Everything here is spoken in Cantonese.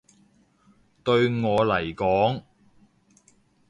對我嚟講